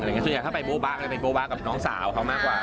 ส่วนใหญ่ถ้าไปโบ๊บะก็เลยไปโบ๊บะกับน้องสาวเขามากกว่า